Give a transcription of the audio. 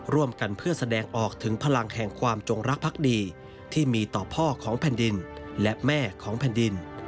ร่วมกันเพื่อแสดงออกถึงพลังแห่งความจงรักพักดีที่มีต่อพ่อของแผ่นดินและแม่ของแผ่นดิน